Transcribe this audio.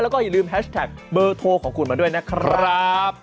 แล้วก็อย่าลืมแฮชแท็กเบอร์โทรของคุณมาด้วยนะครับ